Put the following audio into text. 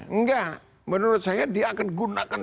enggak menurut saya dia akan gunakan